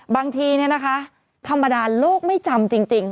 บางทีนะคะธรรมดาลูกไม่จำจริง